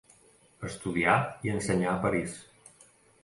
Estudià i ensenyà a París.